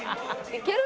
いける？